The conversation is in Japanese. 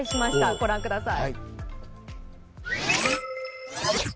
御覧ください。